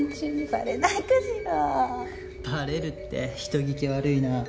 バレるって人聞き悪いな。